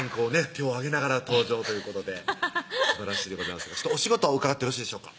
手を上げながら登場ということですばらしいでございますがお仕事伺ってよろしいでしょうか